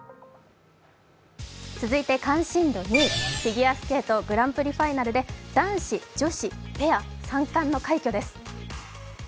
続いて関心度２位、フィギュアスケートグランプリファイナルで男子女子ペア３冠の快挙です。